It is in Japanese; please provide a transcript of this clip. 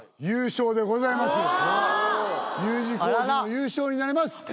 Ｕ字工事の優勝になります。